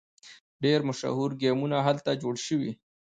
ډیر مشهور ګیمونه هلته جوړ شوي.